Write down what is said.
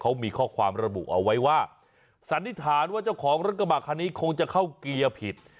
เขามีข้อความระบุเอาไว้ว่าสันนิษฐานว่าเจ้าของรถกระบะคันนี้คงจะเข้าเกียร์ผิด